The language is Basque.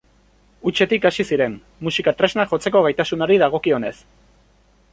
Hutsetik hasi ziren, musika tresnak jotzeko gaitasunari dagokionez.